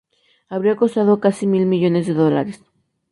Habría costado casi mil millones de dólares.